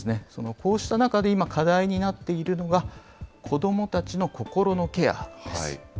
こうした中で今、課題になっているのが、子どもたちの心のケアです。